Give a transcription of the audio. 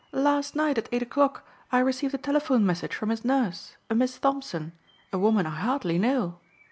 "Last night at eight o'clock I received a telephone message from his nurse, a Miss Thompson, a woman I hardly know.